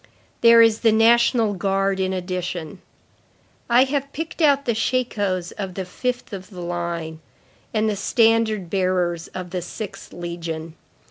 There is the National Guard in addition. I have picked out the shakos of the fifth of the line, and the standard bearers of the sixth legion.